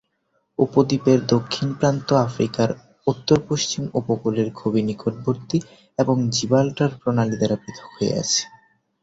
উপদ্বীপের দক্ষিণ প্রান্ত আফ্রিকার উত্তরপশ্চিম উপকূলের খুবই নিকটবর্তী এবং জিব্রাল্টার প্রণালী দ্বারা পৃথক হয়ে আছে।